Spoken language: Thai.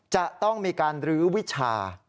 จะต้องมีการรื้อวิชา